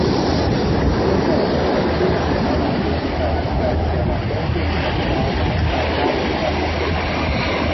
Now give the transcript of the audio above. La sua morte raggiunse la notorietà grazie alla foto scattata da Dagsa stesso.